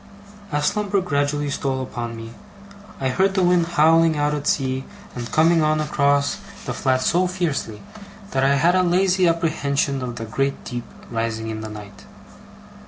As slumber gradually stole upon me, I heard the wind howling out at sea and coming on across the flat so fiercely, that I had a lazy apprehension of the great deep rising in the night.